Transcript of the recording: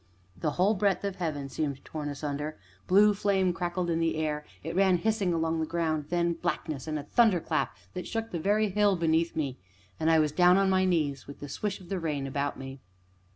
The whole breadth of heaven seemed torn asunder blue flame crackled in the air; it ran hissing along the ground; then blackness, and a thunderclap that shook the very hill beneath me, and I was down upon my knees, with the swish of the rain about me.